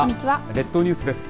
列島ニュースです。